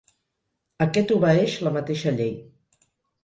Aquest obeeix la mateixa llei.